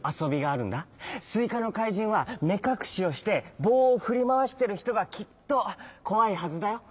すいかのかいじんはめかくしをしてぼうをふりまわしてるひとがきっとこわいはずだよ。